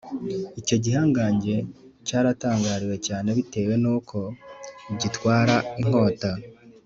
Icyo gihangage cyaratangariwe cyane bitewe nuko gitwara inkota